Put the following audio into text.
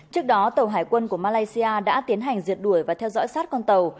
trước đó tàu hải quân của malaysia đã tiến hành diệt đuổi và theo dõi sát con tàu